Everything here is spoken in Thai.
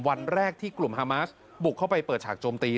วันแรกที่กลุ่มฮามาสบุกเข้าไปเปิดฉากโจมตี